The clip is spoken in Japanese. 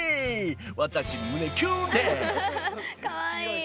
私胸キュンです！